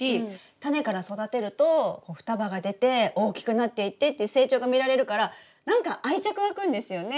タネから育てると双葉が出て大きくなっていってっていう成長が見られるからなんか愛着湧くんですよね。